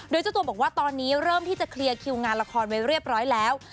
โดยเจ้าตัวบอกว่าตอนนี้เริ่มที่จะเคลียร์คิวงานละครไว้เรียบร้อยแล้ว